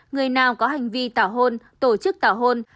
người nào có hành vi tảo hôn tổ chức tảo hôn